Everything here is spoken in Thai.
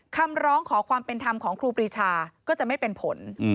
คำร้องขอความเป็นธรรมของครูปรีชาก็จะไม่เป็นผล